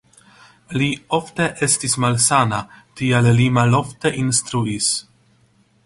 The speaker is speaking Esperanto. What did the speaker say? Li ofte estis malsana, tial li malofte instruis.